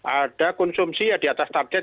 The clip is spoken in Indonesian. ada konsumsi ya di atas target